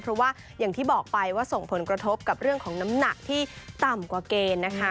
เพราะว่าอย่างที่บอกไปว่าส่งผลกระทบกับเรื่องของน้ำหนักที่ต่ำกว่าเกณฑ์นะคะ